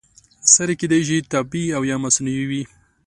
سرې کیدای شي طبیعي او یا مصنوعي وي.